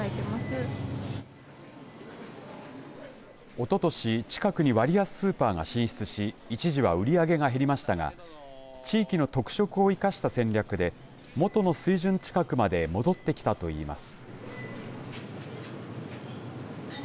おととし近くに割安スーパーが進出し一時は売り上げが減りましたが地域の特色を生かした戦略で元の水準近くまで戻ってきたと言います。